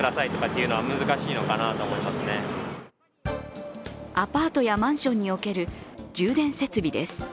一方でアパートやマンションにおける充電設備です。